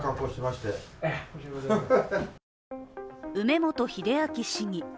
梅本秀明市議。